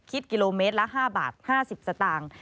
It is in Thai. คิดกิโลเมตรละ๕บาท๕๐สตางค์